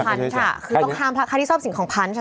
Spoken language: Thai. คือต้องห้ามพลาดค่าที่ชอบสิ่งของพันธุ์